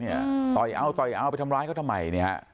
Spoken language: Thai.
ต่ออีกเอาต่ออีกเอาไปทำร้ายเขาทำไม